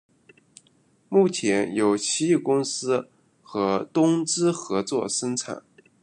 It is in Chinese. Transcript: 目前由奇异公司和东芝合作生产。